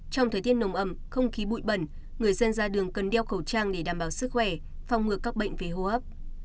trong thời tiết nồng ẩm không khí bụi bẩn người dân ra đường cần đeo khẩu trang để đảm bảo sức khỏe phòng ngược các bệnh về hô hấp